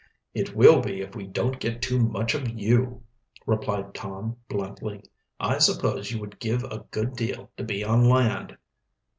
"It will be if we don't get too much of you." replied Tom bluntly. "I suppose you would give a good deal to be on land."